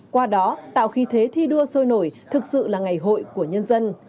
qua đó tạo khí thế thi đua sôi nổi thực sự là ngày hội của nhân dân